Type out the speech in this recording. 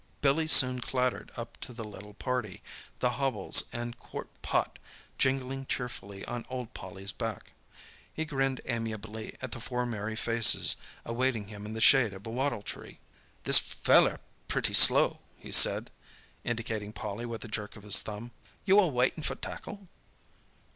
Billy soon clattered up to the little party, the hobbles and quart pot jingling cheerfully on old Polly's back. He grinned amiably at the four merry faces awaiting him in the shade of a wattle tree. "This feller pretty slow," he said, indicating Polly with a jerk of his thumb. "You all waitin' for tackle?"